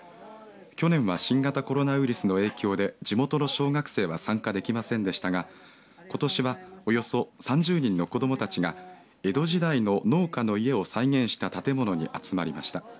去年は新型コロナウイルスの影響で地元の小学生は参加できませんでしたがことしはおよそ３０人の子どもたちが江戸時代の農家の家を再現した建物に集まりました。